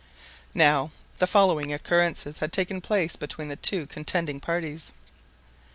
Now the following occurrences had taken place between the two contending parties.